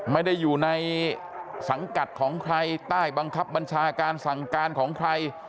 ไม่ได้อยู่ในสังกัดของใครใต้บังคับบัญชาการสั่งการของใคร